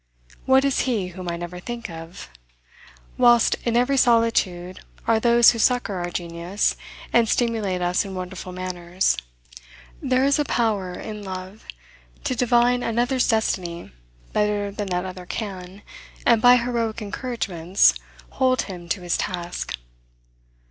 What is he whom I never think of? whilst in every solitude are those who succor our genius, and stimulate us in wonderful manners. There is a power in love to divine another's destiny better than that other can, and by heroic encouragements, hold him to his task.